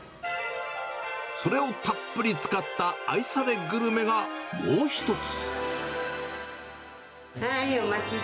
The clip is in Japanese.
それをたっぷり使った愛されグルメがもう一つ。